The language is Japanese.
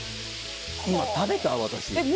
今、食べた？